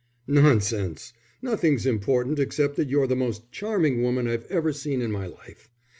"Nonsense! Nothing's important except that you're the most charming woman I've ever seen in my life.